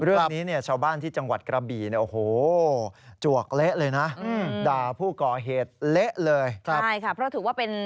เรื่องนี้ชาวบ้านที่จังหวัดกระบี่โอ้โฮ